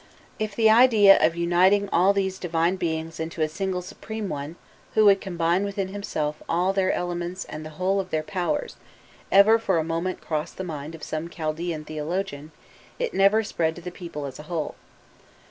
If the idea of uniting all these divine beings into a single supreme one, who would combine within himself all their elements and the whole of their powers, ever for a moment crossed the mind of some Chaldaean theologian, it never spread to the people as a whole.